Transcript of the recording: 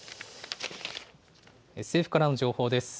政府からの情報です。